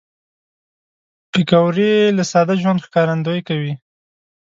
پکورې له ساده ژوند ښکارندويي کوي